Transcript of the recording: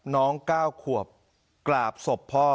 น้องก้าวขวบกราบศพพ่อ